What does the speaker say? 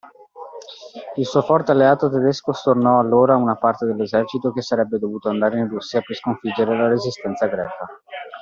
Il suo forte alleato tedesco stornò allora una parte dell'esercito che sarebbe dovuto andare in Russia per sconfiggere la resistenza greca.